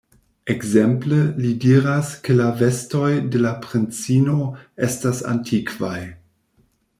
Ekzemple, li diras, ke la vestoj de la princino estas antikvaj.